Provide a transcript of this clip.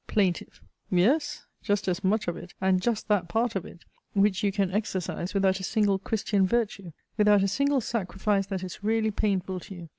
PLAINTIFF. Yes! just as much of it, and just that part of it, which you can exercise without a single Christian virtue without a single sacrifice that is really painful to you!